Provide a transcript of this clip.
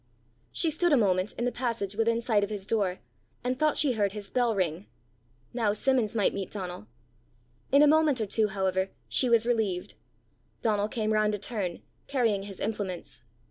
She stood a moment in the passage within sight of his door, and thought she heard his bell ring. Now Simmons might meet Donal! In a moment or two, however, she was relieved. Donal came round a turn, carrying his implements.